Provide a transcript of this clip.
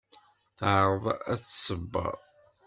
Teɛreḍ ad t-tṣebber.